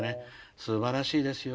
すばらしいですよ。